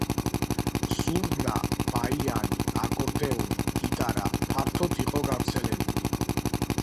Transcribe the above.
ზურნა, ბაიანი, აკორდეონი, გიტარა ფართოდ იყო გავრცელებული.